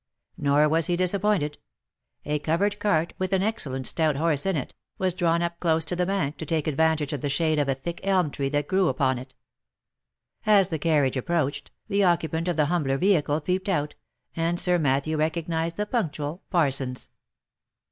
Nor was he disappointed ; a covered cart, with an excellent stout horse in it, was drawn up close to the bank to take advantage of the shade of a thick elm tree that grew upon it. As the carriage approached, the occupant of the humbler vehicle peeped out, and Sir Matthew recognised the punctual Parsons.